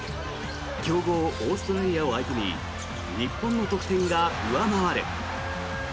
強豪オーストラリアを相手に日本の得点が上回る。